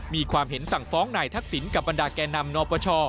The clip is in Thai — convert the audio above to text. มีความเห็นสั่งฟ้องนายทักษิณกับบรรดาแก่นำนปช